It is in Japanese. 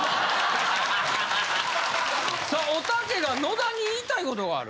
・さあおたけが野田に言いたいことがある？